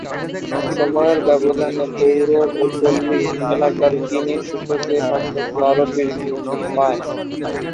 সময়ের ব্যবধানে পৌর ও পল্লী এলাকার গিনি সূচকে পার্থক্য আরও বৃদ্ধি পায়।